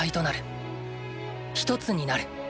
一つになる。